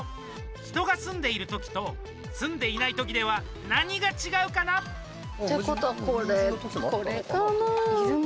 人が住んでいる時と住んでいない時では何が違うかな。ってことはこれかな？